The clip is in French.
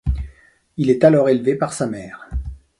Il est alors élevé par sa mère.